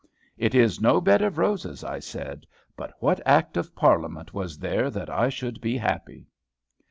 "It is no bed of roses," I said; "but what act of Parliament was there that I should be happy."